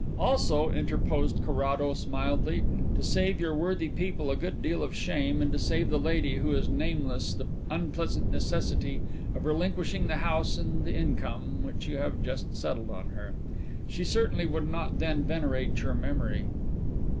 "Also," interposed Carrados mildly, "to save your worthy people a good deal of shame, and to save the lady who is nameless the unpleasant necessity of relinquishing the house and the income which you have just settled on her. She certainly would not then venerate your memory."